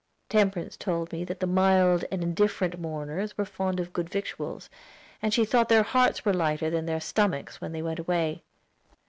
Temperance told me that the mild and indifferent mourners were fond of good victuals, and she thought their hearts were lighter than their stomachs when they went away.